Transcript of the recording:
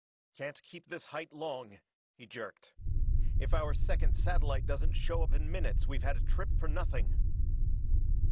"Can't keep this height long," he jerked. "If our second satellite doesn't show up in minutes we've had a trip for nothing."